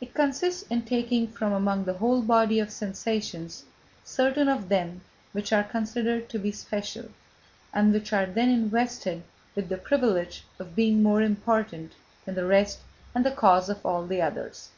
It consists in taking from among the whole body of sensations certain of them which are considered to be special, and which are then invested with the privilege of being more important than the rest and the causes of all the others.